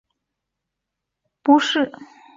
南宋灭后不仕。